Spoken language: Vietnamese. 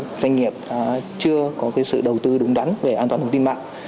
các doanh nghiệp chưa có sự đầu tư đúng đắn về an toàn thông tin mạng